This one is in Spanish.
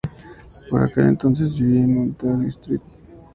Por aquel entonces vivía en Montague Street.